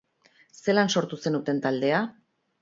Zelan sortu zenuten taldea?